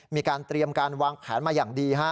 มีการเตรียมการวางแผนมาอย่างดี